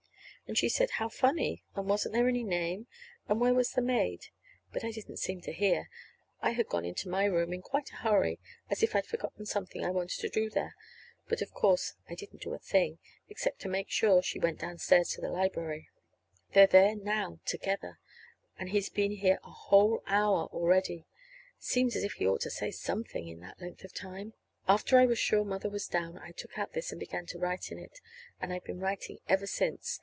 And she said, how funny, and wasn't there any name, and where was the maid. But I didn't seem to hear. I had gone into my room in quite a hurry, as if I had forgotten something I wanted to do there. But, of course, I didn't do a thing except to make sure that she went downstairs to the library. They're there now together. And he's been here a whole hour already. Seems as if he ought to say something in that length of time! After I was sure Mother was down, I took out this, and began to write in it. And I've been writing ever since.